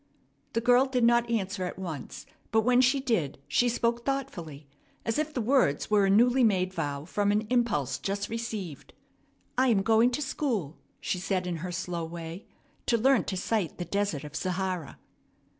The girl did not answer at once; but, when she did, she spoke thoughtfully, as if the words were a newly made vow from an impulse just received. "I am going to school," she said in her slow way, "to learn to 'sight' the Desert of Sahara."